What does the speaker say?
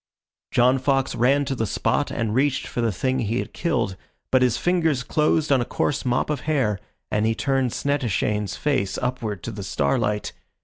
John Fox ran to the spot and reached for the thing he had killed, but his fingers closed on a coarse mop of hair and he turned Snettishane's face upward to the starlight.